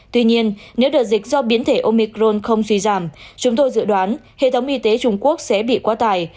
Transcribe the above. tuy nhiên nếu đợt dịch do biến thể omicron không suy giảm chúng tôi dự đoán hệ thống y tế trung quốc sẽ bị quá tài